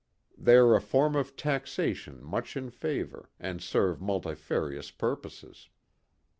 They are a form of taxation much in favor, and serve multifarious purposes.